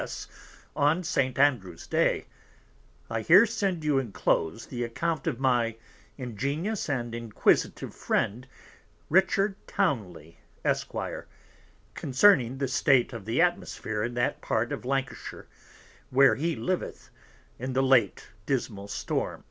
S._ on St. Andrews Day, I here send you inclos'd the Account of my Ingenious and Inquisitive Friend Richard Townely, Esq; concerning the State of the Atmosphere in that Part of Lancashire where he liveth, in the late dismal Storm.